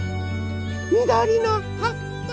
みどりのはっぱ。